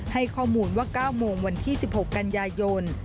ให้ข้อมูลว่า๙โมงวันที่๑๖กันยายน